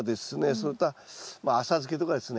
それと浅漬けとかですね。